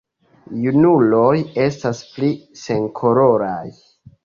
Junuloj estas pli senkoloraj.